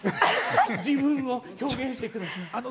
自分を表現してください。